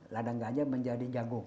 ladang ganja menjadi jagung